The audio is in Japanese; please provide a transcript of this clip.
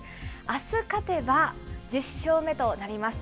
あす勝てば、１０勝目となります。